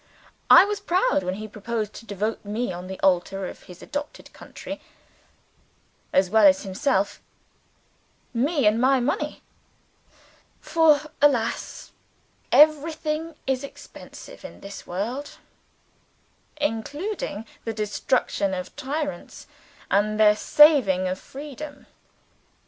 I was proud when he proposed to devote me on the altar of his adopted country, as well as himself me, and my money. For, alas! everything is expensive in this world; including the destruction of tyrants and the saving of Freedom.